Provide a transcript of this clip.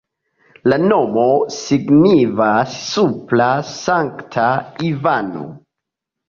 La nomo signifas supra-Sankta-Ivano.